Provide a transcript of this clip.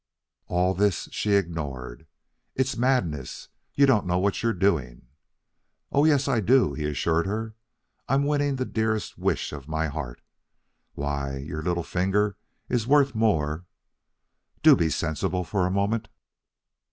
All this she ignored. "It's madness. You don't know what you are doing " "Oh, yes, I do," he assured her. "I'm winning the dearest wish of my heart. Why, your little finger is worth more " "Do be sensible for a moment."